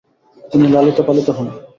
তিনি লালিত পালিত হন।